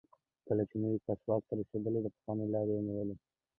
کله چې نوی کس واک ته رسېدلی، د پخواني لار یې نیولې.